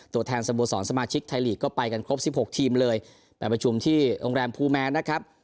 ตัวแทนสโมสรสมาชิกไทยลีกก็ไปกันครบสิบหกทีมเลยไปประชุมที่โรงแรมภูแมนนะครับ